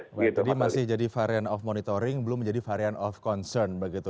jadi masih jadi variant of monitoring belum menjadi variant of concern begitu